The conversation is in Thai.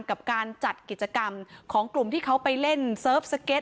กับการจัดกิจกรรมของกลุ่มที่เขาไปเล่นเซิร์ฟสเก็ต